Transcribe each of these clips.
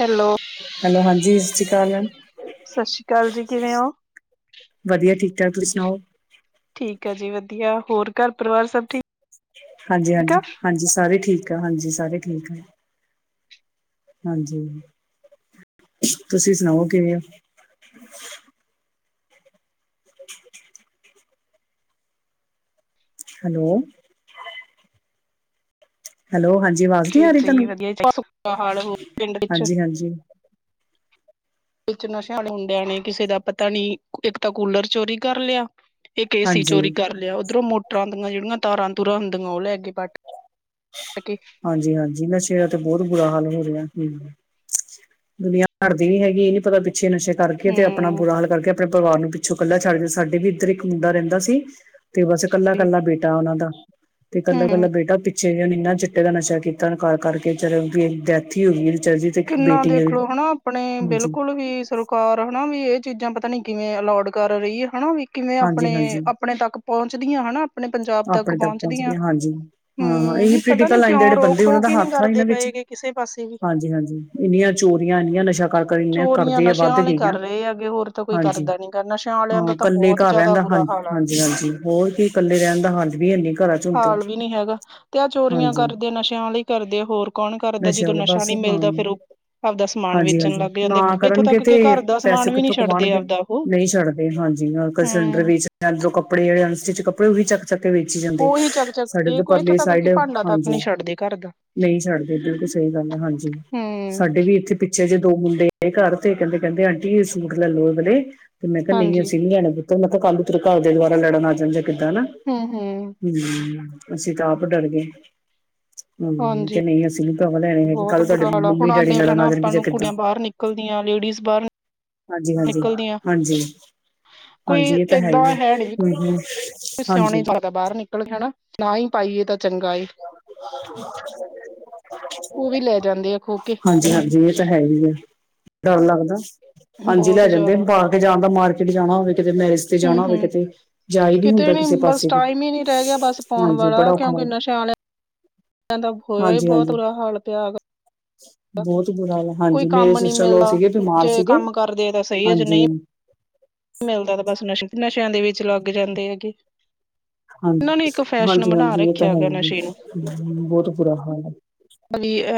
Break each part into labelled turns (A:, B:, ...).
A: Hello
B: hello ਹਾਂਜੀ ਸਤਿ ਸ਼੍ਰੀ ਅਕਾਲ
A: ਸਤਿ ਸ੍ਰੀ ਅਕਾਲ ਜੀ ਕਿਵੇਂ ਹੋ
B: ਵਧੀਆ ਠੀਕ ਤੁਸੀਂ ਸੁਣਾਓ
A: ਠੀਕ ਆ ਜੀ ਵਧੀਆ ਹੋਰ ਘਰ ਪਰਿਵਾਰ ਸਭ ਠੀਕ
B: ਹਾਂਜੀ
A: ਠੀਕ ਆ
B: ਹਾਂਜੀ ਹਾਂਜੀ ਸਾਰੇ ਠੀਕ ਆ ਹਾਂਜੀ ਸਾਰੇ ਠੀਕ ਆ ਹਾਂਜੀ ਤੁਸੀਂ ਸੁਣਾਓ ਕਿਵੇਂ ਹੋ [inaudible] ਹੈਲੋ ਹੈਲੋ ਹਾਂਜੀ ਆਵਾਜ਼ ਨੀ
A: ਜੀ
B: ਆ ਰਹੀ
A: ਜੀ
B: ਤੁਹਾਨੂੰ
A: ਵਧੀਆ ਸੁੱਕਾ ਹਾਲ ਹੋ ਪਿੰਡ ਵਿੱਚ
B: ਹਾਂਜੀ ਹਾਂਜੀ
A: ਵਿੱਚ ਨਸ਼ਾ ਮੁੰਡਿਆਂ ਨੇ ਕਿਸੇ ਦਾ ਪਤਾ ਨੀ ਇੱਕ ਤਾਂ ਕੂਲਰ ਚੋਰੀ ਕਰ ਲਿਆ ਇੱਕ ਏਸੀ
B: ਹਾਂਜੀ
A: ਚੋਰੀ ਕਰ ਲਿਆ ਉਧਰੋਂ ਮੋਟਰਾਂ ਦੀਆਂ ਜਿਹੜੀਆਂ ਤਾਰਾਂ ਤੂਰਾਂ ਹੁੰਦੀਆਂ ਉਹ ਲੈ ਕੇ ਬੱਟ
B: ਹਾਂਜੀ ਹਾਂਜੀ ਨਸ਼ਿਆਂ ਤੇ ਬਹੁਤ ਬੁਰਾ ਹਾਲ ਹੋ ਰਿਹਾ ਹੂ ਦੁਨੀਆਂ ਭਰਦੀ ਨੀ ਹੈਗੀ ਇਹ ਨੀ ਪਤਾ ਪਿੱਛੇ ਨਸ਼ੇ ਕਰਕੇ ਤੇ ਆਪਣਾ
A: ਹੂੰ
B: ਬੁਰਾ ਹਾਲ ਕਰਕੇ ਆਪਣੇ ਪਰਿਵਾਰ ਨੂੰ ਪਿੱਛੋਂ ਇਕੱਲਾ ਛੱਡ ਕੇ ਸਾਡੇ ਵੀ ਇੱਧਰ ਇੱਕ ਮੁੰਡਾ ਰਹਿੰਦਾ ਸੀ ਤੇ ਬਸ ਕੱਲਾ ਕੱਲਾ ਬੇਟਾ ਉਹਨਾ ਦਾ ਤੇ ਕੱਲਾ
A: ਹੂੰ
B: ਇਕੱਲਾ ਬੇਟਾ ਪਿੱਛੇ ਜਿੰਨਾ ਚ ਦਾ ਨਸ਼ਾ ਕੀਤਾ ਕਰ ਕਰਕੇ ਚ ਡੈਥ ਹੀ ਹੋ ਗਈ ਵਿਚਾਰੇ ਦੀ ਤੇ ਇੱਕ
A: ਕਿੰਨਾ
B: ਬੇਟੀ ਹੈ
A: ਦੇਖਲੋ ਹੈਨਾ ਆਪਣੇ
B: ਹਾਂਜੀ
A: ਬਿਲਕੁਲ ਵੀ ਸਰਕਾਰ ਹੈਨਾ ਵੀ ਇਹ ਚੀਜ਼ਾਂ ਪਤਾ ਨੀ ਕਿਵੇਂ ਅਲੋਡ ਕਰ ਰਹੀ ਹਨਾ ਵੀ ਕਿਵੇਂ
B: ਹਾਂਜੀ
A: ਆਪਣੇ
B: ਹਾਂਜੀ
A: ਆਪਣੇ ਤੱਕ ਪਹੁੰਚਦੀਆਂ ਆਪਣੇ ਪੰਜਾਬ ਤੱਕ
B: ਆਪਣੇ ਪਹੁੰਚ
A: ਪਹੁੰਚਦੀਆਂ
B: ਗਏ ਹਾਂਜੀ ਹਾਂ
A: ਹੂ
B: ਇਹੀ
A: ਵੀ ਪਤਾ ਨਾ
B: ਪੋਲੀਟੀਕਲ ਲਾਈਨ ਦੇ
A: ਕਿਉਂ
B: ਜਿਹੜੇ
A: ਰੋਕ
B: ਬੰਦੇ ਉਹਨਾਂ
A: ਟੋਕ
B: ਦਾ
A: ਹੀ ਨਹੀ
B: ਹੱਥ ਆ
A: ਕਰਦੇ
B: ਇਹਨਾਂ ਵਿੱਚ
A: ਪਏ ਕਿਸੇ ਪਾਸੇ ਵੀ
B: ਹਾਂਜੀ ਇੰਨੀਆਂ ਚੋਰੀਆਂ ਇੰਨੀਆਂ ਨਸ਼ਾ ਕਰਕੇ ਇਨਾ
A: ਚੋਰੀਆਂ
B: ਕਰਦੇ ਆ
A: ਨਸ਼ਿਆਂ
B: ਵੱਧ
A: ਵਾਲੇ ਕਰ
B: ਗਈਆਂ
A: ਰਹੇ ਹੈਗੇ ਹੋਰ ਤਾਂ ਕੋਈ
B: ਹਾਂਜੀ
A: ਕਰਦਾ ਨੀ ਗਾ ਨਸ਼ਿਆਂ ਵਾਲਿਆਂ ਦਾ
B: ਹਾਂ
A: ਤਾਂ
B: ਕੱਲੇ
A: ਬਹੁਤ
B: ਘਰ
A: ਜ਼ਿਆਦਾ
B: ਰਹਿੰਦਾ
A: ਬੁਰਾ
B: ਹਾਂਜੀ,
A: ਹਾਲ ਆ
B: ਹਾਂਜੀ, ਹਾਂਜੀ ਹੋਰ ਕੀ ਕੱਲੇ ਰਹਣਦਾ ਹਾਲ ਵੀ ਹੈਨੀ ਘਰਾਂ ਚ ਹੁਣ ਤੇ
A: ਹਾਲ ਵੀ ਨੀ ਹੈਗਾ ਤੇ ਆਹ ਚੋਰੀਆਂ
B: ਹਾਂਜੀ
A: ਕਰਦੇ ਨਸ਼ਿਆਂ ਵਾਲ ਹੀ ਕਰਦੇ ਹੋਰ ਕੌਣ ਕਰਦਾ
B: ਨਸ਼ੇ
A: ਜਦੋਂ
B: ਵਾਲੇ
A: ਨਸ਼ਾ
B: ਪਾਸੇ
A: ਨੀ
B: ਹਾਂ
A: ਮਿਲਦਾ ਫਿਰ ਉਹ ਆਪਦਾ ਸਮਾਨ
B: ਹਾਂਜੀ
A: ਵੇਚਣ
B: ਹਾਂਜੀ
A: ਲੱਗ ਜਾਂਦੇ
B: ਨਾ
A: ਇੱਥੋਂ
B: ਕਰਨਗੇ
A: ਤੱਕ
B: ਤੇ
A: ਕਿ ਘਰ ਦਾ ਸਮਾਨ
B: ਪੈਸੇ
A: ਵੀ ਨੀ
B: ਕਿੱਥੋਂ
A: ਛੱਡਦੇ
B: ਕਮਾਉਣਗੇ
A: ਆਪਦਾ ਉਹ
B: ਨਹੀਂ ਛੱਡਦੇ ਹਾਂ ਜਿੰਨਾ ਵਰਗ
A: ਹਮ
B: ਸਿਲੰਡਰ ਵੇਚ ਲੈਣ ਦੋ ਕੱਪੜ ਸਟਿਚ ਕੱਪੜ ਵੇਚ ਹੀ ਜਾਂਦੇ
A: ਉਹੀ ਚੱਕ ਚੱਕ
B: ਸਾਡੇ
A: ਕੇ
B: ਉਧਰ
A: ਕੋਈ ਇੱਥੋਂ
B: ਪਰਲੀ
A: ਤੱਕ ਕਿ
B: ਸਾਈਡ
A: ਭਾਂਡਾ ਤੱਕ
B: ਹਾਂਜੀ
A: ਨਹੀਂ ਛੱਡਦੇ ਘਰ ਦਾ
B: ਨਹੀਂ ਛੱਡ ਦੇ ਬਿਲਕੁਲ ਸਹੀ ਗੱਲ ਹਾਂਜੀ
A: ਹੂੰ
B: ਸਾਡੇ ਵੀ ਇੱਥੇ ਪਿੱਛੇ ਜੇ ਦੋ ਮੁੰਡੇ ਘਰ ਤੇ ਕਹਿੰਦੇ ਕਹਿੰਦੇ ਆਂਟੀ ਇਹ ਸੂਟ ਲੈ ਲੋ ਅਗਲੇ ਤੇ ਮੈਂ ਕਿਹਾ ਨਹੀਂ
A: ਹਾਂਜੀ
B: ਅਸੀਂ ਲੈ ਨਾ ਮੈਂ ਕਿਹਾ ਕੱਲ ਨੂੰ ਤੇਰੇ ਘਰ ਦੇ ਦੁਆਰਾ ਲੜਨ ਆ ਜਾਂਦੇ ਕਿੱਦਾਂ ਹਨਾ
A: ਹੂੰ ਹੂੰ
B: ਹੂ ਅਸੀਂ ਤਾਂ ਆਪ ਡਰ ਗਏ ਹੂ
A: ਹਾਂਜੀ
B: ਤੇ ਨਹੀਂ ਅਸੀਂ ਵੀ ਲੈਣੇ ਹੈਗੇ
A: ਬਹੁਤ
B: ਕੱਲ
A: ਬੁਰਾ
B: ਤੁਹਾਡੇ
A: ਹਾਲ ਆ
B: ਮੰਮੀ
A: ਹੁਣ
B: ਡੈਡੀ
A: ਆਦੇ ਹਨਾ
B: ਲੜਨ
A: ਆਪਾਂ
B: ਦੇਣਗੇ
A: ਨੂੰ
B: ਕਿੱਦਾਂ
A: ਕੁੜੀਆਂ ਬਾਹਰ ਨਿਕਲਦੀਆਂ ਲੇਡੀਜ਼ ਬਾਹਰ
B: ਹਾਂਜੀ, ਹਾਂਜੀ,
A: ਨਿਕਲਦੀਆਂ
B: ਹਾਂਜੀ, ਹਾਂਜੀ ਇਹ ਤਾਂ ਹੈ ਹੀ ਆ ਹ ਹ
A: ਸੋਨੀ ਬਾਹਰ ਨਿਕਲ ਕੇ ਹਨਾ ਨ ਹੀ ਪਾਈਏ ਤਾਂ ਚੰਗਾ
B: [unintelligible]
A: ਏ ਉਹ ਵੀ ਲੈ ਜਾਂਦੇ ਆ ਖੋ ਕੇ
B: ਹਾਂਜੀ ਹਾਂਜੀ ਇਹ ਤਾਂ ਹੈਗੀ ਆ ਡਰ ਲੱਗਦਾ ਹਾਂਜੀ
A: ਬਹੁਤ
B: ਲੈ ਜਾਂਦੇ
A: ਜ਼ਿਆਦਾ
B: ਬਾਹ ਕੇ ਜਾਣ ਦਾ ਮਾਰਕੀਟ ਜਾਣਾ ਹੋਵੇ ਕਿਤੇ ਮੈਰਿਜ ਤੇ
A: ਹੂੰ
B: ਜਾਣਾ ਹੋਵੇ
A: ਹੂੰ
B: ਕਿਤੇ ਜਾਈ ਨਹੀਂ
A: ਕਿਤੇ
B: ਹੁੰਦਾ
A: ਨੀ
B: ਕਿਸੇ
A: ਬਸ
B: ਪਾਸੇ ਵੀ
A: ਟਾਈਮ ਹੀ ਨੀ ਰਹਿ ਗਿਆ ਬਸ ਆਣ
B: ਹਾਂਜੀ ਬੜਾ
A: ਵਾਲਾ
B: ਔਖਾ
A: ਕਿਉਂਕਿ
B: ਲੱਗਦਾ
A: ਨਸ਼ਾ [unintelligible] ਦਾ ਹੋਇਆ ਹੀ ਬਹੁਤ
B: ਹਾਂਜੀ-ਹਾਂਜੀ।
A: ਬੁਰਾ ਹਾਲ ਪਿਆ
B: ਬਹੁਤ ਬੁਰਾ ਹਾਲ
A: ਕੋਈ
B: ਹਾਂਜੀ ਮੇਰੇ
A: ਕੰਮ ਨਹੀਂ
B: ਸਿਸਟਰ ਲੋ
A: ਮਿਲਦਾ
B: ਸੀਗੇ ਬਿਮਾਰ
A: ਜੇ
B: ਸੀਗੇ
A: ਕੰਮ ਕਰਦੇ ਤਾਂ ਸਹੀ ਹੈ ਜੇ ਨਹੀਂ
B: ਹਾਂਜੀ
A: ਮਿਲਦਾ ਤੇ ਬਸ ਨਸ਼ੇ ਨਸ਼ਿਆਂ ਦੇ ਵਿੱਚ ਲੱਗ ਜਾਂਦੇ ਹੈਗੇ
B: ਹਾਂਜੀ
A: ਇਹਨਾਂ ਨੇ ਇੱਕ ਫੈਸ਼ਨ
B: ਹਾਂਜੀ
A: ਬਣਾ
B: ਹਾਂਜੀ ਇਹ ਤਾਂ
A: ਰੱਖਿਆ ਗਿਆ
B: ਹੈਗੀ
A: ਨਸ਼ੇ
B: ਹੈ ਬਹੁਤ ਬੁਰਾ ਹਾਲ ਹੈ।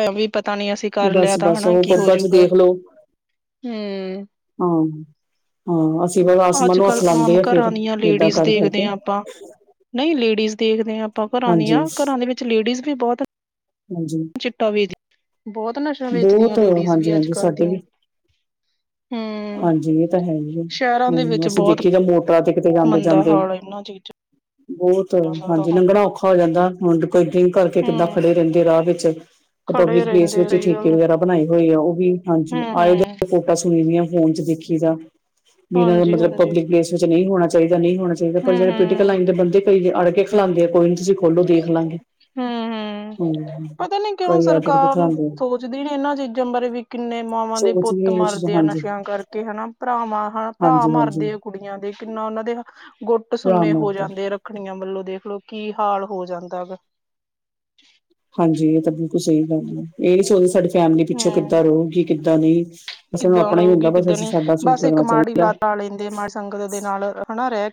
A: ਐ ਵੀ ਪਤਾ ਨਹੀਂ ਅਸੀਂ ਕਰ ਲਿਆ ਤਾਂ
B: ਬਸ-ਬਸ
A: ਹੈਣਾ
B: ਉਹ
A: ਕੀ
B: ਪੱਬਾਂ ਚ
A: ਹੋਜੂਗਾ!
B: ਦੇਖਲੋ
A: ਹਮ
B: ਹਾਂ ਹਾਂ ਅਸੀਂ। ਬਸ ਆਸਮਾਨ
A: ਅੱਜ
B: ਨੂੰ
A: ਕੱਲ
B: ਹੱਥ ਲਾਂਦੇ
A: ਆਮ
B: ਆ ਫੇਰ
A: ਘਰਾਂ ਦੀਆਂ
B: ਏਦਾਂ
A: ਲੇਡੀਜ਼
B: ਕਰ
A: ਦੇਖਦੇ
B: ਕਰਕੇ
A: ਹਾਂ ਆਪਾਂ ਨਹੀਂ ਲੇਡੀਜ਼! ਦੇਖਦੇ ਹਾਂ ਆਪਾਂ ਘਰਾਂ
B: ਹਾਂਜੀ।
A: ਦੀਆਂ ਘਰਾਂ ਦੇ ਵਿੱਚ ਲੇਡੀਜ਼ ਵੀ ਬਹੁਤ ਹਨ।
B: ਹਾਂਜੀ
A: ਚਿੱਟਾ ਵੀ ਦੀ! ਬਹੁਤ ਨਸ਼ਾ ਵੇਚਦੀਆਂ
B: ਬਹੁਤ
A: ਲੇਡੀਜ਼
B: ਹਾਂਜੀ
A: ਅੱਜ
B: ਹਾਂਜੀ
A: ਕੱਲ੍ਹ
B: ਸਾਡੇ ਵੀ
A: ਦੀਆਂ
B: ਹੈ। ਹਾਂਜੀ ਇਹ ਤਾਂ ਹੈ ਹੀ ਆ
A: ਸ਼ਹਿਰਾਂ ਦੇ
B: ਹ
A: ਵਿੱਚ
B: ਅਸੀਂ
A: ਬਹੁਤ
B: ਦੇਖੀਏ ਤਾਂ ਮੋਟ ਹੈ। ਤੇ ਕਿਤੇ ਜਾਂਦੇ
A: ਮੰਦਾ
B: ਜਾਂਦੇ ਹਨ।
A: ਹਾਲ ਇਹਨਾਂ ਚੀਜ਼ਾਂ
B: ਬਹੁਤ
A: ਦਾ ਤਾਂ
B: ਹਾਂਜੀ ਲੰਗਣਾ ਔਖਾ ਹੋ ਜਾਂਦਾ ਹੁਣ ਕੋਈ ਡਰਿੰਕ ਕਰਕੇ ਕਿੱਦਾਂ
A: ਹਮ
B: ਖੜੇ ਰਹਿੰਦੇ ਰਾਹ ਵਿੱਚ।
A: ਖੜੇ
B: ਪਬਲਿਕ ਪਲੇਸ
A: ਰਹਿੰਦੇ
B: ਵਿੱਚ
A: ਸਹੀ
B: ਠੀਕ ਹੈ।
A: ਗੱਲ
B: ਵਗੈਰਾ ਬਣਾਏ ਹੋਏ ਆ ਉਹ ਵੀ ਹਾਂਜੀ
A: ਹਮ
B: ਆਏ
A: ਹਮ
B: ਵੋਟਾਂ ਸੁਣੀ ਦੀਆਂ ਫੋਨ ਚ ਦੇਖੀ ਜਾ। ਵੀ ਇਹਨਾਂ ਦਾ
A: ਹਾਂਜੀ
B: ਮਤਲਬ
A: ਹਾਂਜੀ
B: ਪਬਲਿਕ ਪਲੇਸ ਵਿੱਚ ਨਹੀਂ ਹੋਣਾ ਚਾਹੀਦਾ ਨਹੀਂ ਹੋਣਾ ਚਾਹੀਦਾ ਪਰ
A: ਹਮ
B: ਜਿਹੜੇ ਪੋਲੀਟੀਕਲ
A: ਹਮ
B: ਲਾਈਨ ਦੇ ਬੰਦੇ। ਕੋਈ ਅੜ ਕੇ ਖਲਾਾਂਂਦੇ ਆ ਪੁਆਇੰਟ। ਖੋਲੋ ਦੇਖ ਲਵਾਂਗੇ
A: ਹੂੰ-ਹੂੰ
B: ਹਮ ਕਈ ਆ ਕੇ ਦਿਖਾਂਦੇ।
A: ਕਦੀ ਇਹਨਾਂ ਚੀਜ਼ਾਂ ਬਾਰੇ ਵੀ ਕਿੰਨੇ ਮਾਵਾਂ ਦੇ
B: ਸੋਚ
A: ਪੁੱਤ
B: ਵੀ ਇਹ ਚੀਜ਼ਾਂ
A: ਮਰਦੇ ਆ
B: ਹਾਂਜੀ
A: ਨਸ਼ਿਆਂ ਕਰਕੇ ਹਨਾ ਭਰਾਵਾਂ ਹਨਾ। ਭਰਾ
B: ਹਾਂਜੀ ਹਾਂਜੀ
A: ਮਰਦੇ ਆ ਕੁੜੀਆਂ ਦੇ ਕਿੰਨਾ ਉਹਨਾਂ ਦੇ। ਗੁੱਟ
B: ਆਰਾਮ
A: ਸੁਨੇ
B: ਨਾਲ
A: ਹੋ
B: ਤੇ
A: ਜਾਂਦੇ ਆ ਰੱਖੜੀਆਂ ਵੱਲੋਂ ਦੇਖਲੋ ਕੀ ਹਾਲ। ਹੋ ਜਾਂਦਾ ਗਾ।
B: ਹਾਂਜੀ ਇਹ ਤਾਂ ਬਿਲਕੁਲ ਸਹੀ ਗੱਲ ਹੈ ਇਹ ਨਹੀਂ ਸੋਚਦੇ ਸਾਡੀ ਫੈਮਿਲੀ ਪਿੱਛੋਂ
A: ਹੂੰ
B: ਕਿੱਦਾਂ ਰਹੇਗੀ ਕਿੱਦਾਂ ਨਹੀਂ। ਬਸ ਉਹਨੂੰ
A: ਕਿੱਦਾਂ
B: ਆਪਣਾ ਹੀ
A: ਰਹੂਗੀ
B: ਹੁੰਦਾ ਬਸ
A: ਕਿੱਦਾਂ
B: ਅਸੀਂ
A: ਨਹੀ
B: ਸਾਡਾ
A: ਬਸ
B: ਸੂਟ
A: ਇੱਕ
B: ਲੱਗਣਾ
A: ਮਾੜੀ
B: ਚਾਹੀਦਾ
A: ਲੱਤ ਲਾ ਲੈਂਦੇ ਮਾੜੀ ਸੰਗਤ ਦੇ ਨਾਲ ਹੈ ਨਾ ਰਹਿ ਕੇ।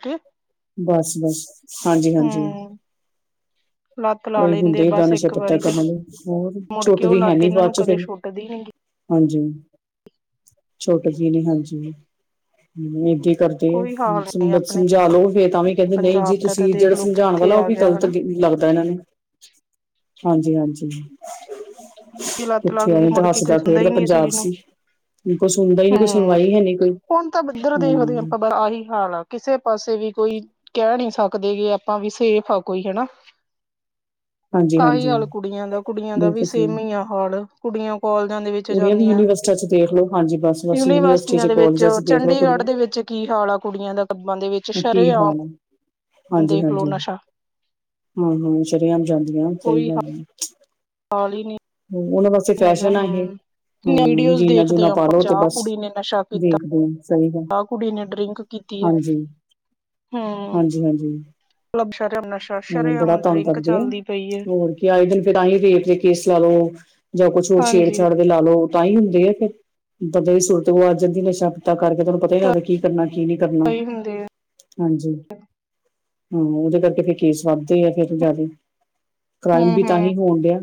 B: ਬਸ ਬਸ ਹਾਂਜੀ ਹਾਂਜੀ।
A: ਹੂੰ ਲੱਤ ਲਾ
B: ਕਈ
A: ਲੈਂਦੇ
B: ਹੁੰਦੇ ਏਦਾਂ
A: ਬਸ
B: ਨਸ਼ਾ
A: ਇੱਕ
B: ਪੱਤਾ
A: ਵਾਰੀ ਤੇ
B: ਕਰਨ ਲਈ ਹੋਰ
A: ਮੁੜ ਕੇ ਉਹ
B: ਛੁੱਟਦੀ ਹੈ
A: ਲੱਤ
B: ਨੀ
A: ਇਹਨਾਂ
B: ਬਾਅਦ
A: ਨੂੰ
B: ਚ
A: ਕਦੇ
B: ਫਿਰ।
A: ਛੁੱਟਦੀ ਨੀ ਗੀ
B: ਹਾਂਜੀ ਛੋਟੀ ਜਿਹੀ ਨੀ ਹਾਂਜੀ ਇਹੀ? ਕਰਦੇ
A: ਕੋਈ ਹਾਲ ਨੀ ਆਪਣੇ
B: ਸਮਝਾ ਲਓ ਫੇਰ ਤਾਂ ਵੀ ਕਹਿੰਦੇ ਨਹੀਂ ਜੀ
A: ਪੰਜਾਬ ਦਾ ਤਾਂ
B: ਤੁਸੀਂ ਜਿਹੜਾ
A: ਦੇਖਲੋ
B: ਸਮਝਾਉਣ ਵਾਲਾ ਉਹ ਵੀ ਗਲਤ। ਲੱਗਦਾ ਇਹਨਾਂ ਨੂੰ।
A: ਸੀ।
B: ਹਾਂਜੀ ਹਾਂਜੀ।
A: ਜੇ ਲੱਤ
B: ਕਿੱਥੇ
A: ਲੱਗਈ
B: ਐਵੇਂ ਤਾਂ
A: ਮੁੜ ਕੇ ਕੋਈ
B: ਹੱਸਦਾ
A: ਸੁਣਦਾ ਹੀ
B: ਖੇਡਦਾ
A: ਨੀ ਇਸ
B: ਪੰਜਾਬ
A: ਚੀਜ਼ ਨੂੰ।
B: ਸੀ ਕੋਈ ਸੁਣਦਾ ਹੀ ਨੀ ਕੋਈ
A: ਹਮ
B: ਸੁਣਵਾਈ ਹੈ ਨੀ ਕੋਈ
A: ਹੁਣ ਤਾਂ ਇੱਧਰ ਦੇਖਦੇ ਹਾਂ
B: ਹਮ
A: ਆਪਾਂ ਆਹੀ ਹਾਲ ਆ ਕਿਸੇ ਪਾਸੇ ਵੀ। ਕੋਈ ਕਹਿ ਨਹੀਂ ਸਕਦੇ ਕਿ ਆਪਾਂ ਵੀ ਸੇਫ ਆ ਕੋਈ ਹਨਾ
B: ਹਾਂਜੀ
A: ਆਹੀ
B: ਹਾਂਜੀ
A: ਹਾਲ, ਕੁੜੀਆਂ ਦਾ ਕੁੜੀਆਂ ਦਾ ਵੀ
B: ਬਿਲਕੁਲ
A: ਸੇਮ
B: ਸਹੀ
A: ਹੀ ਆ ਹਾਲ ਕੁੜੀਆਂ। ਕਾਲਜਾਂ ਦੇ ਵਿੱਚ
B: ਕੁੜੀਆਂ ਵੀ
A: ਜਾਂਦੀਆਂ
B: ਯੂਨੀਵਰਸਿਟੀਆਂ ਚ ਦੇਖ ਲੋ ਹਾਂਜੀ ਬਸ ਬਸ ਯੂਨੀਵਰਸਿਟੀ ਚ
A: ਯੂਨੀਵਰਸਿਟੀਆਂ ਦੇ ਵਿੱਚ
B: ਕਾਲਜਾਂ ਚ ਦੇਖ ਲੋ
A: ਚੰਡੀਗੜ੍ਹ ਦੇ
B: ਕੁੜੀਆਂ
A: ਵਿੱਚ ਜਾਂਦੀ ਹਨ। ਕੀ ਹਾਲ ਆ ਕੁੜੀਆਂ ਦਾ ਕਲੱਬ ਦੇ ਵਿੱਚ
B: ਕੀ
A: ਸ਼ਰੇ ਆਮ।
B: ਹਾਲ ਹੈ ਹਾਂਜੀ ਹਾਂਜੀ ਹਮ ਹਮ ਸ਼ਰੇ ਆਮ ਜਾਂਦੀਆਂ ਸਹੀ
A: ਕੋਈ
B: ਗੱਲ ਹੈ।
A: ਹਾਲ ਹੀ ਨੀ।
B: ਉਹਦੇ ਵਾਸਤੇ ਫੈਸ਼ਨ ਆ ਇਹ। ਹਮ
A: ਵੀਡੀਓਜ਼
B: ਜੀਨਾ
A: ਦੇਖਦੇ
B: ਜੂਨਾ
A: ਹਾਂ ਆਪਾਂ
B: ਪਾਲੋ ਤੇ
A: ਜਾ
B: ਬਸ
A: ਕੁੜੀ ਨੇ ਨਸ਼ਾ ਕੀਤਾ
B: ਦੇਖਦੇ ਰਹੋ। ਸਹੀ ਗਲ
A: ਆਹ ਕੁੜੀ ਨੇ ਡਰਿੰਕ ਕੀਤੀ ਹੈ
B: ਹਾਂਜੀ
A: ਹਮ
B: ਹਾਂਜੀ ਹਾਂਜੀ।
A: ਮਤਲਬ ਸ਼ਰਮ ਨਸ਼ਾ
B: ਹਾਂ ਬੜਾ
A: ਸ਼ਰੇਆਮ
B: ਤੰਗ
A: ਡਰਿੰਕ
B: ਕਰਦੇ ਆ
A: ਚੱਲਦੀ ਪਈ ਹੈ
B: ਹੋਰ ਕੀ ਆਏ ਦਿਨ ਫੇਰ ਤਾਂ ਹੀ ਰੇਪ ਦੇ ਕੇਸ ਲਾ ਲਓ। ਜਾਂ ਕੁਛ ਹੋਰ
A: ਹਾਂਜੀ
B: ਛੇੜਛਾੜ ਦੇ ਲਾ ਲੋ। ਤਾਂ ਹੀ ਹੁੰਦੇ ਆ ਫਿਰ ਬੰਦੇ ਦੀ ਸੁਰਤ ਗਵਾਚ ਜਾਂਦੀ ਨਸ਼ਾ ਪੱਤਾ ਕਰਕੇ ਉਹਾਨੂੰ ਪਤਾ ਹੀ ਨਹੀ ਲਗਦਾ ਕੀ ਕਰਨਾ ਹੈ। ਕੀ ਨਹੀਂ ਕਰਨਾ
A: ਸਹੀ ਹੁੰਦੇ ਆ
B: ਹਾਂਜੀ। ਹਮ ਉਹਦੇ ਕਰਕੇ ਫਿਰ ਕੇਸ ਵੱਧਦੇ ਆ ਫਿਰ ਜ਼ਿਆਦਾ ਕ੍ਰਾਈਮ
A: ਹਮ
B: ਵੀ ਤਾਂ
A: ਹਮ
B: ਹੀ ਹੋਣ ਡਿਆ।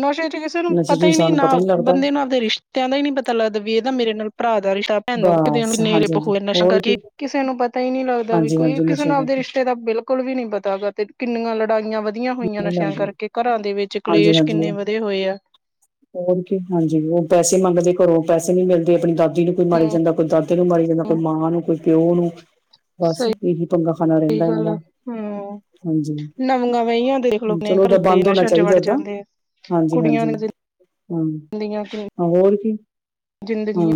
A: ਨਸ਼ੇ ਚ ਕਿਸੇ ਨੂੰ
B: ਨਸ਼ੇ ਚ
A: ਪਤਾ ਹੀ ਨੀ
B: ਇਨਸਾਨ ਨੂੰ
A: ਨਾ
B: ਪਤਾ ਲੱਗਦਾ
A: ਬੰਦੇ ਨੂੰ ਆਪਦੇ ਰਿਸ਼ਤਿਆਂ ਦਾ ਹੀ ਨੀ ਪਤਾ ਲੱਗਦਾ ਵੀ ਇਹਦਾ ਮੇਰੇ ਨਾਲ ਭਰਾ ਰਿਸ਼ਤਾ ਪੈਂਦਾ
B: ਬਸ
A: ਨੇਲੇ
B: ਹਾਂਜੀ ਹਾਂਜੀ
A: ਪੂ [inaudible] ਨਸ਼ਾ
B: ਹੋਰ
A: ਕਰਕੇ
B: ਕੀ
A: ਕਿਸੇ ਨੂੰ ਪਤਾ ਹੀ ਨਹੀਂ ਲੱਗਦਾ ਵੀ
B: ਹਾਂਜੀ
A: ਕੋਈ
B: ਹਾਂਜੀ
A: ਕਿਸੇ
B: ਨਸ਼ੇ
A: ਨੂੰ ਆਪਦੇ
B: ਕਰਕੇ
A: ਰਿਸ਼ਤੇ ਨਾਤੇ। ਤਾਂ ਬਿਲਕੁਲ ਵੀ ਨੀ ਪਤਾ ਗਾ ਤੇ ਕਿੰਨੀਆਂ ਲੜਾਈਆਂ ਵਧੀਆ ਹੋਈਆਂ
B: ਨਹੀਂ
A: ਨਸ਼ਿਆਂ
B: ਲੱਗਦਾ
A: ਕਰਕੇ ਘਰਾਂ ਦੇ ਵਿੱਚ
B: ਹਾਂਜੀ
A: ਕਲੇਸ਼ ਹੁੰਦਾ।
B: ਹੋਰ ਕੀ ਹਾਂਜੀ ਉਹ ਪੈਸੇ ਮੰਗਦੇ ਘਰੋਂ ਪੈਸੇ ਨੀ ਮਿਲਦੇ ਆਪਣੀ ਦਾਦੀ? ਦਾਦੀ ਨੂੰ ਕੋਈ ਮਾਰੀ ਜਾਂਦਾ। ਕੋਈ ਦਾਦੇ ਨੂੰ ਮਾਰੀ ਜਾਂਦਾ। ਕੋਈ ਮਾਂ ਨੂੰ ਕੋਈ ਪਿਓ ਨੂੰ। ਬਸ
A: ਸਹੀ
B: ਇਹੀ ਪੰਗਾ ਖਾਨਾ ਰਹਿੰਦਾ ਇਹਨਾਂ
A: ਗੱਲ
B: ਦਾ
A: ਆ ਹਮ
B: ਹਾਂਜੀ।
A: ਨਵੀਆਂ ਵਹੀਆਂ ਦੇਖਲੋ ਆਪਣੇ
B: ਚਲੋ ਉਹ
A: ਘਰ
B: ਤਾਂ
A: ਦੇ
B: ਬੰਦ ਹੋਣਾ
A: ਨਸ਼ਿਆਂ ਚ
B: ਚਾਹੀਦਾ
A: ਵੜ
B: ਏਦਾਂ
A: ਜਾਂਦੇ ਆ
B: ਹਾਂਜੀ
A: ਕੁੜੀਆਂ
B: -ਹਾਂਜੀ। ਹਮ
A: ਦੀਆਂ
B: ਹੋਰ ਕੀ ਹਾਂ।
A: ਜ਼ਿੰਦਗੀਆਂ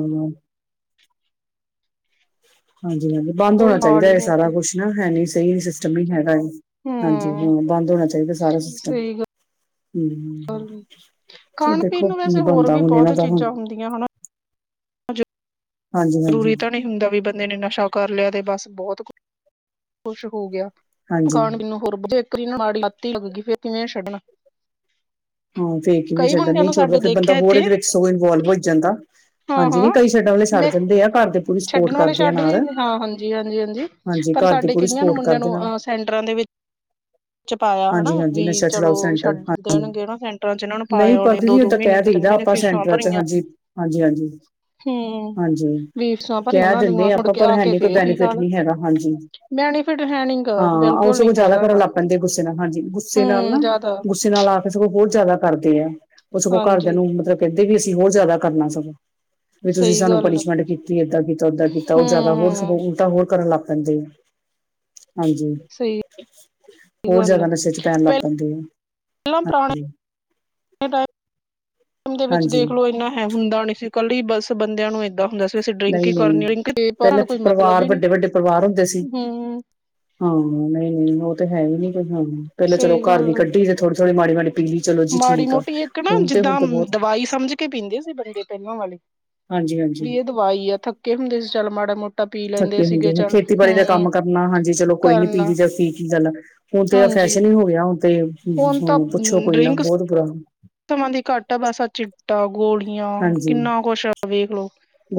A: [unintelligible]
B: ਹਾਂਜੀ -ਹਾਂਜੀ ਬੰਦ ਹੋਣਾ
A: ਕੋਈ ਹਾਲ
B: ਚਾਹੀਦਾ
A: ਹੀ
B: ਇਹ
A: ਨਹੀਂ
B: ਸਾਰਾ
A: ਪਿਆ
B: ਕੁਛ ਨਾ ਹੈ ਨੀ ਸਹੀ ਸਿਸਟਮ ਨਹੀਂ ਹੈਗਾ ਇਹ। ਹਾਂਜੀ
A: ਹੂੰ
B: ਹਾਂ ਬੰਦ ਹੋਣਾ ਚਾਹੀਦਾ ਸਾਰਾ ਸਿਸਟਮ।
A: ਸਹੀ
B: ਹਮ
A: ਗੱਲ ਹੈ।
B: ਚ
A: ਖਾਣ ਪੀਣ
B: ਦੇਖੋ
A: ਨੂੰ
B: ਕੀ
A: ਵੈਸੇ ਹੋਰ
B: ਬਣਦਾ
A: ਵੀ
B: ਹੁਣ ਇਹਨਾਂ ਦਾ ਹੁਣ।
A: ਹਜੇ।
B: ਹਾਂਜੀ ਹਾਂਜੀ
A: ਜ਼ਰੂਰੀ ਤਾਂ ਨਹੀਂ ਹੁੰਦਾ ਵੀ ਬੰਦੇ ਨੇ ਨਸ਼ਾ ਕਰ ਲਿਆ ਤੇ ਬਸ ਬਹੁਤ ਖੁਸ਼ ਹੋ ਗਿਆ।
B: ਹਾਂਜੀ
A: ਮੈਨੂੰ ਹੋਰ ਮਾੜ ਲਤੀ ਲੱ ਫਿਰ ਕਿਵੇਂ ਛੱਡਣਾ
B: ਹਾਂ ਫਿਰ ਕਿਵੇਂ
A: ਕਈ
B: ਛਡਦਾ
A: ਮੁੰਡਿਆਂ
B: ਨਹੀਂ
A: ਨੂੰ
B: ਛੱਡਦਾ
A: ਸਾਡੇ
B: ਫਿਰ ਬੰਦਾ
A: ਦੇਖਿਆ
B: ਹੋਰ
A: ਇੱਥੇ
B: ਇਹਦੇ ਵਿੱਚ ਸਗੋਂ ਇਨਵੋਲਵ ਹੋ ਜਾਂਦਾ
A: ਹਾਂ
B: ਹਾਂਜੀ
A: ਹਾਂ
B: ਨੀ ਕਈ ਛੱਡਣ ਵਾਲੇ ਛੱਡ
A: ਮੈਂ
B: ਦਿੰਦੇ ਆ ਘਰ ਦੇ ਪੂਰੀ ਸਪੋਰਟ
A: ਛੱਡਣ ਵਾਲੇ
B: ਕਰਦੇ ਆ
A: ਛੱਡ
B: ਨਾਲ
A: ਵੀ ਹਾਂ ਹਾਂਜੀ- ਹਾਂਜੀ -ਹਾਂਜੀ ਪਰ
B: ਘਰ ਦੀ
A: ਸਾਡੇ
B: ਪੂਰੀ
A: ਕਈਆਂ
B: ਸਪੋਰਟ
A: ਨਮੰਨਿਆਂ
B: ਕਰਦੇ
A: ਨੂੰ
B: ਨਾਲ
A: ਅ ਸੈਂਟਰਾਂ ਦੇ ਵਿੱਚ ਚ ਪਾਇਆ ਹਨਾ
B: ਹਾਂਜੀ ਹਾਂਜੀ
A: ਵੀ
B: ਨਸ਼ਾ ਛੁਡਾਓ
A: ਚਲੋ
B: ਸੈਂਟਰ
A: ਛੱਡ
B: ਹਾਂਜੀ
A: ਦੇਣਗੇ ਨ ਫਿਰ ਚ ਇਹਨਾਂ ਨੂੰ
B: ਨਹੀਂ
A: ਪਾਇਆ
B: ਪਰ
A: ਉਹਨੇ ਦੋ
B: ਦੀਦੀ
A: ਦੋ
B: ਓਦਾਂ
A: ਮਹੀਨੇ
B: ਕਹਿ
A: ਦ ਤਿੰਨ
B: ਦਈਦਾ
A: ਮਹੀਨੇ
B: ਆਪਾਂ
A: ਫੀਸਾਂ
B: ਸੈਂਟਰਾਂ ਚ
A: ਭਰੀਆਂ
B: ਹਾਂਜੀ ਹਾਂਜੀ ਹਾਂਜੀ
A: ਹਮ
B: ਹਾਂਜੀ
A: ਫੀਸਆਂ ਭਰੀ
B: ਕਹਿ
A: ਉਹਨਾਂ ਦੀ
B: ਦਿੰਦੇ
A: ਥੋੜ
B: ਆਪਾਂ
A: ਕੇ
B: ਪਰ
A: ਆ
B: ਹੈ
A: ਕੇ
B: ਨੀ ਕੋਈ
A: ਫੇਈ
B: ਬੈਨੀਫਿਟ
A: ਹਾਲ
B: ਨਹੀਂ ਹੈਗਾ ਹਾਂਜੀ
A: ਬੈਨੀਫਿਟ ਹੈ ਨੀ ਗਾ ਬਿਲਕੁਲ ਨੀ ਹੈਗਾ -ਗਾ
B: ੁ ਨਾਲ ਹਾਂਜੀ ਗੁੱਸੇ ਨਾਲ
A: ਹੂੰ
B: ਨਾ
A: ਜ਼ਿਆਦਾ
B: ਗੁੱਸੇ ਨਾਲ ਆ ਕੇ ਸਗੋ ਹੋਰ ਜ਼ਿਆਦਾ ਕਰਦੇ ਆ ਉਹ ਸਗੋਂ ਘਰਦਿਆਂ
A: ਹਾਂਜੀ
B: ਨੂੰ ਮਤਲਬ ਕਹਿੰਦੇ ਵੀ ਅਸੀਂ ਹੋਰ ਜ਼ਿਆਦਾ ਕਰਨਾ ਸਗੋਂ ਵੀ ਤੁਸੀਂ
A: ਸਹੀ
B: ਸਾਨੂੰ
A: ਗੱਲ ਆ
B: ਪਨੀਸ਼ਮੈਂਟ ਕੀਤੀ ਏਦਾਂ ਕੀਤਾ ਓਦਾਂ ਕੀਤਾ ਉਹ ਜ਼ਿਆਦਾ ਹੋਰ ਸ
A: ਹੂੰ
B: ਉਲਟਾ ਹੋਰ ਕਰਨ ਲੱਗ ਪ ਹਾਂਜੀ ਹਾਂਜੀ
A: ਸਹੀ
B: ਹੋਰ
A: ਗੱਲ
B: ਜਿਆਦਾ
A: ਆ
B: ਨਸ਼ੇ ਚ ਪੈਣ ਲੱਗ ਪੈਂਦੇ
A: ਪਹਿਲਾਂ
B: ਆ
A: ਪੁਰਾਣੇ
B: ਹ-
A: ਦੇ ਵਿੱਚ ਦੇਖਲੋ ਇੰਨਾ ਹੈ ਹੁੰਦਾ ਨਹੀਂ ਸੀ ਕੱਲ ਹੀ ਬੱਸ ਬੰਦਿਆਂ ਨੂੰ ਏਦਾਂ ਹੁੰਦਾ ਸੀ ਅਸੀਂ ਡਰਿੰਕ ਹੀ
B: ਨਹੀਂ ਨਹੀਂ
A: ਕਰਨੀ ਡਰਿੰਕ
B: ਪਹਿਲੇ
A: ਕੋਈ ਮਤਲਬ
B: ਪਰਿਵਾਰ
A: ਹੀ ਨੀ
B: ਵੱਡੇ ਵੱਡੇ ਪਰਿਵਾਰ ਹੁੰਦੇ ਸੀ
A: ਹਮ
B: ਹਾਂ ਨਹੀਂ ਨਹੀਂ ਉਹ ਤੇ ਹੈ ਹੀ ਨੀ ਹਾਂ ਪਹਿਲਾਂ ਚਲੋ
A: ਸਹੀ
B: ਘਰ ਵੀ
A: ਗੱਲ ਆ।
B: ਕੱਢੀ ਤੇ ਥੋੜੀ ਥੋੜ੍ਹੀ ਮਾੜੀ ਮਾੜੀ ਪੀ ਲਈ ਚਲੋ ਜੀ
A: ਮਾੜੀ
B: ਠੀਕ ਆ
A: ਮੋਟੀ ਇੱਕ ਨਾ
B: ਹੁਣ ਤੇ ਹੁਣ
A: ਜਿੱਦਾਂ
B: ਤੇ ਬਹੁਤ
A: ਦਵਾਈ ਸਮਝ ਕੇ ਪੀਂਦੇ ਸੀ ਬ ਪਹਿਲਾਂ ਵਾਲੀ
B: ਹਾਂਜੀ ਹਾਂਜੀ
A: ਵੀ ਇਹ ਦਵਾਈ ਆ ਥੱਕੇ ਹੁੰਦੇ ਸੀ ਚੱਲ ਮਾੜਾ ਮੋਟਾ ਪੀ ਲੈਂਦੇ ਸੀਗੇ
B: ਹੁੰਦੇ ਹਨ
A: ਚੱਲ
B: ਖੇਤੀਬਾੜੀ ਦਾ
A: ਹੂੰ
B: ਕੰਮ ਕਰਨਾ ਹਾਂਜੀ ਚਲੋ ਕੋਈ ਨੀ ਪੀ
A: ਕਰਨਾ
B: ਜ ਪੀ ਕੀ ਗੱਲ ਹੁਣ ਤਾਂ ਫੈ
A: ਹਾਂਜੀ
B: ਕੁਛ ਨੀ ਹੋ ਗਿਆ ਹੁਣ ਤੇ
A: ਹੁਣ ਤਾਂ
B: ਹਮ ਪੁੱਛੋ ਕੋਈ ਨਾ
A: ਡਰਿੰਕ
B: ਬਹੁਤ ਬੁਰਾ
A: ਸਮਾਂ ਦੀ ਘੱਟ ਆ ਬਸਾ ਚਿੱਟਾ ਗੋਲੀਆਂ
B: ਹਾਂਜੀ
A: ਕਿੰਨਾ ਕੁਛ ਆ ਵੇਖ ਲੋ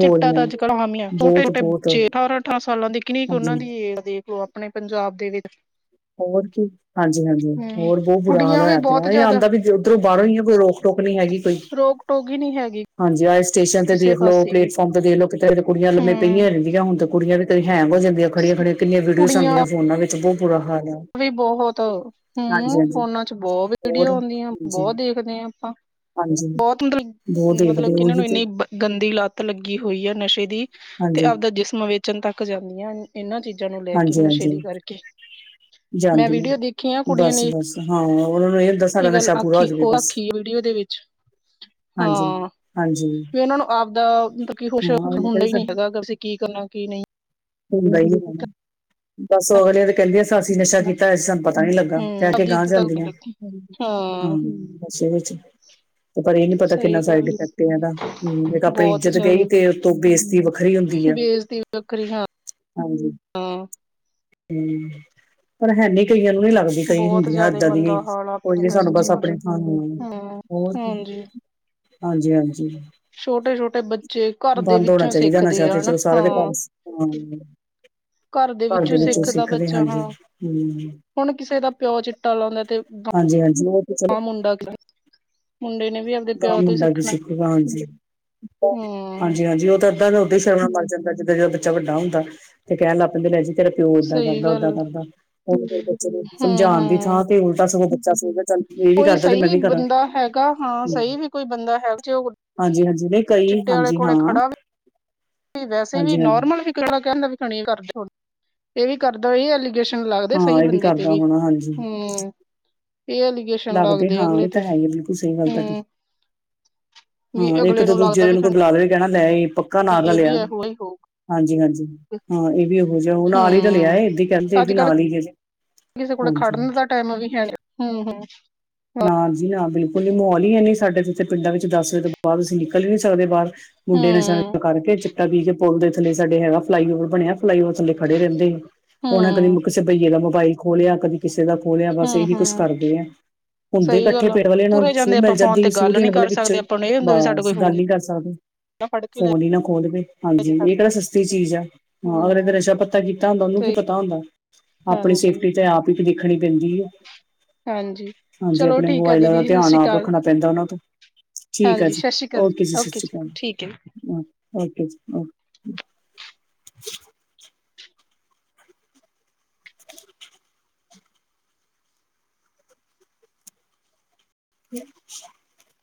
A: ਚਿੱਟਾ ਤਾਂ ਅੱਜ ਕਲ ਆਮ ਈ ਆ ਛੋਟੇ
B: ਬਹੁਤ
A: ਛੋਟੇ
B: ਬਹੁਤ
A: ਬੱਚੇ ਅਠਾਰਾਂ ਅਠਾਰਾਂ। ਸਾਲਾਂ ਦੀ ਕਿਣੀ ਕੁ ਉਹਨਾਂ
B: ਹਾਂਜੀ
A: ਦੀ ਦੇਖੋ ਆਪਣੇ ਪੰਜਾਬ ਦੇ ਵਿੱਚ
B: ਹੋਰ ਕੀ ਹਾਂਜੀ -ਹਾਂਜੀ
A: ਹਮ
B: ਹੋਰ ਬਹੁਤ ਬੁਰਾ ਹਾਲ
A: ਕੁੜੀਆਂ ਵੀ
B: ਹੋਇਆ
A: ਬਹੁਤ
B: ਪਿਆ ਇਹ
A: ਜ਼ਿਆਦਾ
B: ਆਉਂਦਾ ਵੀ ਉੱਧਰੋਂ ਬ ਕੋਈ ਰੋਕ ਟੋਕ ਨਹੀ ਹੈਗੀ ਕੋਈ
A: ਰੋਕ ਟੋਕ ਹੀ ਨਹੀਂ ਹੈਗੀ
B: ਹਾਂਜੀ ਆ ਸਟੇਸ਼ਨ ਤੇ
A: ਕਿਸੇ
B: ਦੇਖ ਲਓ
A: ਪਾਸੇ ਵੀ
B: ਪਲੇਟਫਾਰਮ ਤੇ ਦੇਖ ਲੋ ਕਿਤੇ ਤਾਂ ਕੁੜੀਆਂ ਲੰਮੇ
A: ਹਮ
B: ਪਈਆਂ ਰਹਦੀਆਂ ਹੁਣ ਤੇ ਕੁੜੀਆਂ ਵੀ ਕਈ ਹੈਂਗ ਹੋ ਜਾਂਦੀ ਖੜੀਆਂ ਖੜੀਆਂ ਕਿਨੀਆਂ ਵੀਡੀਓਜ਼
A: ਕੁੜੀਆਂ
B: ਆਉਂਦੀਆਂ ਫੋਨਾਂ ਵਿੱਚ ਬਹੁਤ ਬੁਰਾ ਹਾਰ
A: ਵੀ ਬਹੁਤ ਹਮ
B: ਹਾਂਜੀ
A: ਫੋਨਾ ਚ ਬਹੁਤ
B: ਹੋਰ
A: ਵੀਡੀਓ ਆਉਂਦੀਆਂ
B: ਹਾਂਜੀ
A: ਬਹੁਤ ਦੇਖਦੇ ਹ ਆਪਾਂ
B: ਹਾਂਜੀ
A: ਬਹੁਤ ਮਤਲਬ
B: ਬਹੁਤ
A: ਮਤਲਬ
B: ਦੇਖਦੇ
A: ਕਿ ਇਹਨਾਂ
B: ਉਹੀ
A: ਨੂੰ
B: ਤੇ
A: ਇੰਨੀ ਗੰਦੀ ਲੱਤ ਲੱਗੀ ਹੋਈ ਆ ਨਸ਼ੇ ਦੀ ਤੇ
B: ਹਾਂਜੀ
A: ਆਪਦਾ ਜਿਸਮ ਵੇਚਣ ਤੱਕ ਜਾਂਦੀਆਂ ਇਹਨਾਂ ਚੀਜ਼ਾਂ ਨੂੰ ਲੈ ਕੇ
B: ਹਾਂਜੀ ਹਾਂਜੀ
A: ਨਸ਼ੇੜੀ ਕਰਕੇ ਮੈਂ
B: ਜਾਂਦੀਆਂ
A: ਵੀਡੀਓ ਦੇਖੀਆਂ ਕੁੜੀਆਂ
B: ਬਸ
A: ਨੇ
B: ਬਸ ਹਾਂ ਉਹਨਾਂ ਨੂੰ ਹੁੰਦਾ ਸਾਡਾ
A: ਇਹ ਗੱਲ
B: ਨਸ਼ਾ ਪੂਰਾ ਹੋ
A: ਆਖੀ
B: ਜਾਵੇ
A: ਉਹ
B: ਬਸ
A: ਆਖੀ ਵੀਡੀਓ ਦੇ ਵਿੱਚ
B: ਹਾਂਜੀ
A: ਹਾਂ
B: ਹਾਂਜੀ
A: ਵੀ ਉਹਨਾਂ ਨੂੰ ਆਪਦਾ ਮਤਲਬ ਕੀ ਕੁਸ਼
B: ਹਾਂ ਅਗਲੇ
A: ਹੁੰਦਾ ਹੀ ਨਹੀ
B: ਕਹਿੰਦੇ
A: ਹੈਗਾ ਅ ਅਸੀਂ ਕੀ ਕਰ ਕੀ ਨਹੀਂ
B: [inaudible] ਬਸ ਅਗਲੇ ਤੇ ਕਹਿੰਦੀਆਂ ਸ ਅਸੀਂ ਨਸ਼ਾ ਕੀਤਾ ਅਜ ਸਾਨੂੰ ਪਤਾ ਨੀ ਲੱਗਾ
A: ਹਮ
B: ਕਹਿ ਕੇ
A: ਆਪਦੀ
B: ਗਾਂਹ
A: ਇੱਜ਼ਤ
B: ਜਾਂਦੀਆਂ
A: ਹਾਂ
B: ਹਾਂ ਵਿੱਚ ਤੇ ਪਰ ਇਹ ਨੀ ਪਤਾ ਕਿੰਨਾ
A: ਸਹੀ
B: ਸਾਈਡ
A: ਗੱਲ
B: ਇਫੈਕਟ ਇਹਦਾ ਹਮ ਜ ਆਪਣੀ
A: ਬਹੁਤ
B: ਇੱਜਤ ਗਈ
A: ਜ਼ਿਆਦਾ
B: ਤੇ ਉਤੋਂ ਬੇਸਤੀ ਵੱਖਰੀ ਹੁੰ
A: ਬੇਇਜ਼ਤੀ ਵੱਖਰੀ ਹਾਂ
B: ਹਾਂਜੀ ਹਮ ਪਰ ਹੈਨੀ ਕਈ ਨੂੰ ਨੀ ਲੱਗਦੀ ਕਈ
A: ਬਹੁਤ
B: ਹੁੰਦੀਆਂ
A: ਜ਼ਿਆਦਾ
B: ਇਏਦਾਂ ਦੀ
A: ਮੰਦਾ ਹਾਲ ਆ
B: ਕੋਈ
A: ਆਪਣੇ
B: ਨੀ
A: ਤਾਂ
B: ਸਾਨੂੰ
A: ਸੱਚੀ
B: ਬਸ
A: ਕੁਛ
B: ਆਪਣੇ ਥਾਂ
A: ਹਮ
B: ਹੋਰ
A: [inaudible]
B: ਹਾਂਜੀ-ਹਾਂਜੀ
A: ਛੋਟੇ-ਛੋਟੇ ਬੱਚੇ ਘਰ ਦੇ ਵਿੱਚੋਂ
B: ਚਾਹੀਦਾ
A: ਸਿੱਖਦੇ
B: ਨਸ਼ਾ
A: ਆ
B: ਤੇ
A: ਹਨਾ
B: ਚਲੋ ਸਾਰੇ ਦੇ
A: ਹਾਂ
B: ਘਰ ਹਾਂ
A: ਘਰ ਦੇ ਵਿੱਚੋਂ ਸਿੱਖਦਾ ਬੱਚਾ ਹਾਂ ਹੁਣ ਕਿਸੇ ਦਾ ਪਿਓ ਚਿੱਟਾ ਲਾਉਂਦਾ ਤੇ
B: ਹਾਂਜੀ ਹਾਂਜੀ ਉਹ ਤੇ ਚਲੋ
A: ਮੁੰਡਾ ਮੁੰਡੇ ਨੇ ਵੀ
B: ਦਾ
A: ਪਿਓ ਤੋਂ ਹੀ
B: ਮੁੰਡਾ ਵੀ
A: ਸਿੱਖਣਾ
B: ਸਿੱਖੂਗਾ
A: ਹੂੰ
B: ਹਾਂਜੀ-ਹਾਂਜੀ-ਹਾਂਜੀ ਉਹ ਤਾਂ ਬੰਦਾ ਉਓਦਾਂ ਸ਼ਰਮ ਮਰ ਜਾਂਦਾ ਜਿੱਦ ਜਦੋਂ ਬੱਚਾ ਵੱਡਾ ਹੁੰਦਾ ਤੇ ਕਹਿ ਲਗ ਪਏ ਤੇਰਾ ਪਿਓ ਏਦਾਂ
A: ਸਹੀ
B: ਕਰਦਾ
A: ਗੱਲ
B: ਓਦਾਂ ਕਰਦਾ ਹੁਣ ਬੱਚੇ ਨੂੰ ਸਮਝਾਣ ਦੀ
A: ਹੂੰ-ਹੂੰ
B: ਥਾਂ ਤੇ ਉਲਟਾ ਸਗੋਂ ਬੱਚਾ ਐਵੇਂ
A: ਕੋਈ
B: ਕਰਦਾ ਤੇ
A: ਸਹੀ
B: ਮੈਂ ਵੀ ਕਰਾਂ
A: ਬੰਦਾ ਹੈਗਾ ਹਾਂ ਸਹੀ ਵੀ ਕੋਈ ਬੰਦਾ ਹੈ ਜੇ ਉਹ
B: ਹਾਂਜੀ-ਹਾਂਜੀ ਨਹੀਂ ਕਈ
A: ਚਿੱਟੇ ਵਾਲੇ
B: ਹਾਂਜੀ ਹਾਂ
A: ਕੋਲੇ ਖੜਾ ਵੈਸੇ ਵੀ
B: ਹਾਂਜੀ-ਹਾਂਜੀ।
A: ਨੋਰਮਲ ਵੀਾ [inaudible] ਕਹਿੰਦਾ ਵੀਣੀ ਕਰਦਾ ਇਹ ਵੀ ਕਰਦਾ ਇਹ ਐਲਿਗੇਸਨ
B: ਹਾਂ ਇਹ ਵੀ ਕਾਰਦਾ ਹੋਣਾ ਹਾਂਜੀ
A: ਹੂੰ ਇਹ ਐਲੀਗੇਸ਼ਨ
B: ਲੱਗਦੇ ਹਾਂ
A: ਅਗਲੇ
B: ਇਹ
A: ਤੇ
B: ਤਾਂ ਹੈ ਈ ਬਿਲਕੁਲ ਸਹੀ ਗੱਲ ਤੁਹਾਡੀ
A: ਹੂੰ ਵੀ
B: ਹਾਂ ਇੱਕ
A: ਅਗਲੇ
B: ਤੋ
A: ਨੂੰ
B: ਦੂਜੇ
A: ਲੱਗਦਾ ਵੀ
B: ਦਿਨ ਕੋਈ ਬੁਲਾ ਲਵੇ ਕਹਿਣਾ ਲੈ ਇਹ ਪੱਕਾ ਨਾਂ
A: ਇਹ ਵੀ
B: ਲੇਇਆ
A: ਇਹੋ ਹੀ ਹੋਊਗਾ
B: ਹਾਂਜੀ-ਹਾਂਜੀ ਹਾਂ ਇਹ ਵੀ ਇਹੋ ਜਿਹਾ ਉਹ ਨਾਲ ਤੇ [inaudible] ਰਾਲੀਆ
A: ਹੂੰ
B: ਇਏ ਕਹਿਣ ਤੇ ਇਹ
A: ਅੱਜ
B: ਵੀ
A: ਕੱਲ
B: ਨਾਲ ਹੀਜੇ
A: ਕਿਸੇ ਕੋਲ ਖੜਨ ਦਾ ਟਾਈਮ ਵੀ ਹੈ ਨੀ ਹੁ-ਹੁ
B: ਨਾਜੀ ਨਾ ਬਿਲਕੁਲ ਨੀ ਮਾਹੌਲ ਹੀ ਹੈਨੀ ਸਾਡੇ ਜਿਥੇ ਪਿੰਡਾਂ ਵਿੱਚ ਦਸ ਵਜੇ ਤੋਂ ਬਾਅਦ ਅਸੀਂ ਨਿਕਲ ਵੀ ਨਹੀਂ ਸਕਦੇ ਬਾਹਰ ਮੁੰਡੇ ਨਸ਼ਾ
A: ਹੂੰ
B: ਕਰਕੇ ਚਿੱਟਾ ਪੀ ਕੇ ਲ ਦੇ ਥੇ ਸਾਡੇ ਹੈਗਾ ਫਲਾਈਓਵਰ ਬਣਿਆ ਫਲਾਈਓਵਰ ਥੇ ਖੜੇ ਰਹਿੰਦੇ ਆ ਉਹਨਾਂ ਕਦੇ
A: ਹੂੰ
B: ਕਿਸੇ ਬਈਏ ਦਾ [inaudible] ਖੋਲਿਆ ਕਦੇ ਕਿਸੇ ਦਾ ਖੋਲ੍ਹਿਆ ਬਸ
A: ਹੂੰ
B: ਇਹੀ ਕੁਛ
A: ਹੂੰ
B: ਕਰਦੇ ਆ ਹੁੰਦੇ
A: ਸਹੀ
B: ਇਕੱਠੇ
A: ਗੱਲ ਆ
B: ਪੇਟ ਵਾਲੇ ਨੂੰ
A: ਤੁਰੇ
B: ਸੂਹ
A: ਜਾਂਦੇ
B: ਮਿਲ
A: ਆਪਾਂ ਫੋਨ
B: ਜਾਂਦੀ
A: ਤੇ
B: ਸੂਹ
A: ਗੱਲ
B: ਦੇਣ
A: ਨੀ
B: ਵਾਲੇ
A: ਕਰ
B: ਵਿੱਚ
A: ਸਕਦੇ ਆਪਾਂ ਨੂੰ ਇਹ ਹੁੰਦਾ ਵੀ ਸਾਡਾ
B: ਬਸ
A: ਕੋਈ
B: ਗੱਲ
A: ਫੋਨ
B: ਨੀ ਕਰ ਸਕਦੇ
A: ਨਾ ਫੜ ਕੇ ਲੈ
B: ਫੋਨ ਹੀ ਨਾ ਖੋਲ ਦੇ
A: ਜੇ
B: ਹਾਂਜੀ ਇਹ
A: ਸਾਡੇ
B: ਕਿਹੜਾ
A: ਤੋਂ
B: ਸਸਤੀ ਚੀਜ਼ ਆ ਹਾਂ ਅਗਰ ੳਹਨੇ ਤੇ
A: ਹੂੰ
B: ਨਸ਼ਾ ਪੱਤਾ ਕੀਤਾ ਹੁੰਦਾ ਉਹਨੂੰ ਕੀ
A: ਸਹੀ
B: ਪਤਾ ਹੁੰਦਾ ਆਪਣੀ
A: ਹਾਂਜੀ
B: ਸੇਫਟੀ ਤੇ ਆਪ ਹੀ ਦੇਖਣੀ ਪੈਂਦੀ ਏ
A: ਹਾਂਜੀ
B: ਹਾਂਜੀ
A: ਚਲੋ
B: ਆਪਣੇ
A: ਠੀਕ ਆ
B: ਮੋਬਾਇਲਾਂ
A: ਦੀਦੀ
B: ਦਾ
A: ਜੀ ਸਤਿ
B: ਧਿਆਨ
A: ਸ਼੍ਰੀ
B: ਆਪ
A: ਅਕਾਲ
B: ਰੱਖਣਾ ਪੈਂਦਾ ਉਹਨਾਂ ਤੋਂ ਠੀਕ ਆ
A: ਹਾਂਜੀ
B: ਜੀ
A: ਸਤਿ ਸ਼੍ਰੀ ਅਕਾਲ
B: ਓਕੇ ਜੀ ਸਤਿ ਸ਼੍ਰੀ
A: ਠੀਕ ਹੈ
B: ਕਾਲ ਓਕੇ ਜੀ [inaudible] [inaudible]